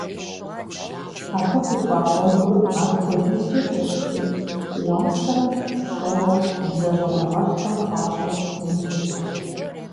Абы къикӀуа гъуэгур апхуэдизкӀэ кӀыхьщи, уасэрэ пщӀэуэ бзэщӀэныгъэлӀхэм хуащӀыр мылъытэщ.